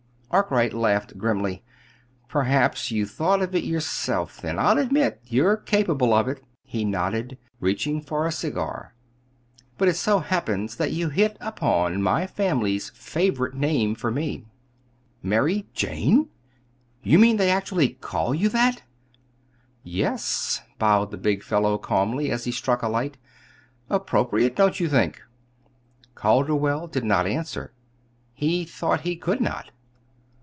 Arkwright laughed grimly. "Perhaps you thought of it yourself, then I'll admit you're capable of it," he nodded, reaching for a cigar. "But it so happens you hit upon my family's favorite name for me." "Mary Jane! You mean they actually call you that?" "Yes," bowed the big fellow, calmly, as he struck a light. "Appropriate! don't you think?" Calderwell did not answer. He thought he could not.